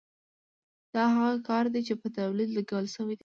دا هغه کار دی چې په تولید لګول شوی دی